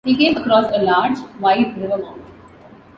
He came across a large, wide river mouth.